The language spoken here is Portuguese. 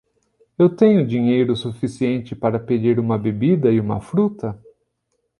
Eu tenho dinheiro suficiente para pedir uma bebida e uma fruta?